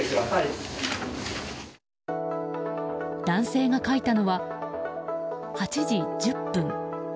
男性が書いたのは８時１０分。